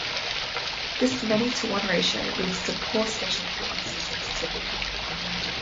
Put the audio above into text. This many-to-one ratio leads to poor spatial frequency sensitivity.